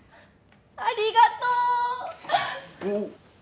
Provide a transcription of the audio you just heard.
ありがとう！おお。